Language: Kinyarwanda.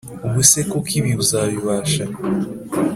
ubuse koko ibi uzabibasha